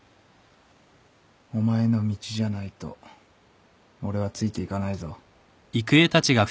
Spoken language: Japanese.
お前の道じゃないと俺はついていかないぞ。